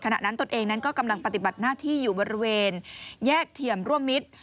ขณะนั้นตนเองนั้นก็กำลังปฏิบัติหน้าที่อยู่บริเวณแยกเทียมร่วมมิตร